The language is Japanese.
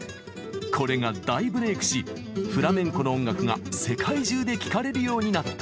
これが大ブレークしフラメンコの音楽が世界中で聴かれるようになったのです。